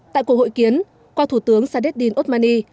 tại cuộc hội kiến qua thủ tướng sadeddin osmani